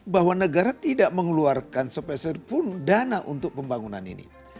bahwa negara tidak mengeluarkan sepeserpun dana untuk pembangunan ini